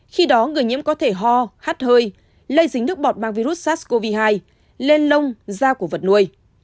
khi đó người nhiễm có thể ho hát hơi lây dính nước bọt mang virus sars cov hai lên lông da của vật nuôi